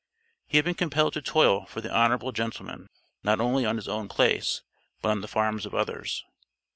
He had been compelled to toil for the Honorable gentleman, not only on his own place, but on the farms of others.